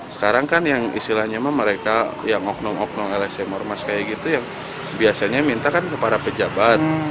sekarang kan yang istilahnya mereka yang ngoknong ngoknong lsm ormas kayak gitu ya biasanya minta kan ke para pejabat